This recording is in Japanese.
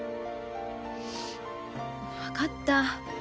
分かった。